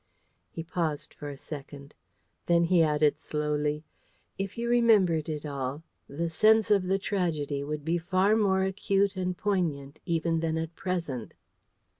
He paused for a second. Then he added slowly: "If you remembered it all, the sense of the tragedy would be far more acute and poignant even than at present."